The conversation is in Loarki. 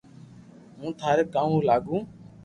ھون ٿاري ڪاو لاگو